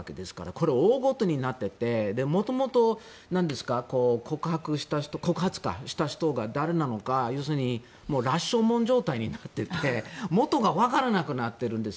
これは大ごとになって元々、告発した人が誰なのか、要するに「羅生門」状態になっていて元がわからなくなっているんです。